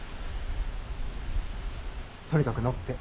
とにかく乗って。